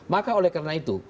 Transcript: maka oleh karena itu